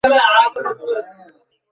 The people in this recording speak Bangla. ধন্যবাদ, মিস অ্যানিং।